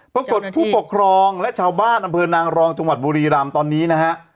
ท่วงทศสผลปกครองไว้ชาวบ้านดนนางหลองจบุรีรามตอนนี้น่ะ